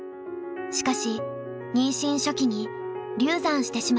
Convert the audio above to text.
しかし妊娠初期に流産してしまいます。